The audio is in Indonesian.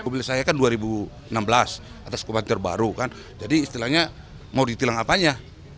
mobil saya kan dua ribu enam belas atas kebati terbaru kan jadi istilahnya mau ditilang apanya